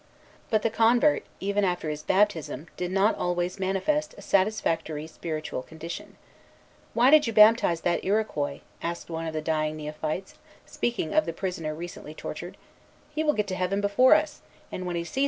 But the convert, even after his baptism, did not always manifest a satisfactory spiritual condition. "Why did you baptize that Iroquois?" asked one of the dying neophytes, speaking of the prisoner recently tortured; "he will get to Heaven before us, and, when he sees us coming, he will drive us out."